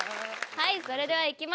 はいそれではいきます！